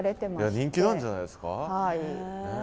人気なんじゃないですか。